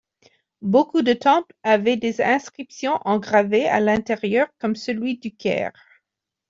Beaucoup de temples avaient des inscriptions engravées à l'intérieur comme celui d'Uqair.